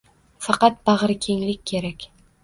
Faqat bag’rikenglik kerak